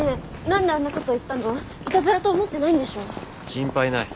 心配ない。